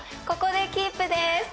ここでキープです。